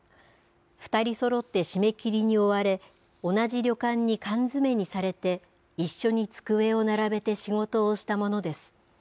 ２人そろって締め切りに追われ、同じ旅館に缶詰にされて一緒に机を並べて仕事をしたものです。